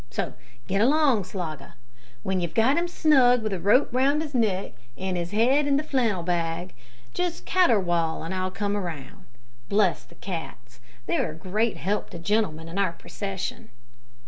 So, get along, Slogger. W'en you've got him snug, with a rope round 'is neck an' 'is head in the flannel bag, just caterwaul an' I'll come round. Bless the cats! they're a great help to gentlemen in our procession."